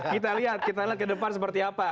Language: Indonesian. kita lihat kita lihat ke depan seperti apa